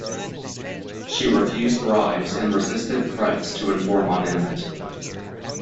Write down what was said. She refused bribes and resisted threats to inform on Emmet.